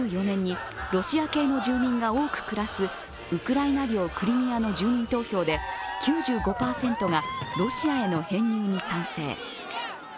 ２０１４年にロシア系の住民が多く暮らすウクライナ領クリミアの住民投票で９５％がロシアへの編入に賛成。